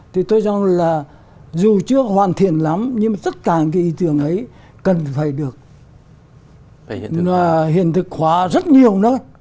thì tôi cho rằng là dù chưa hoàn thiện lắm nhưng tất cả những cái ý tưởng ấy cần phải được hiện thực hóa rất nhiều nơi